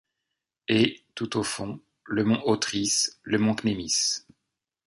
Et, tout au fond, le mont Othrys, le mont Cnémis